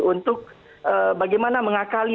untuk bagaimana mengakali